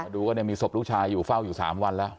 ดูก็มีศพลูกชายเฝ้าอยู่สามวันแล้ว